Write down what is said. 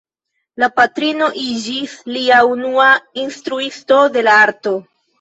La patrino iĝis lia unua instruisto de la arto.